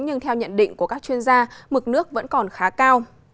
nhưng theo nhận định của các chuyên gia mực nước vẫn còn khá cao